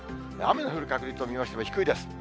雨の降る確率を見ましても、低いです。